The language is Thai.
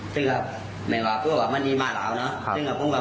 ซึ่งแสภงว่ามันนี้มาแล้วนะ